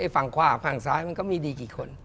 ฝั่งขวาฝั่งซ้ายมันก็มีดีกี่คน